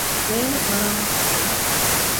ވޭނެއް މަރާމާތުކުރުމަށް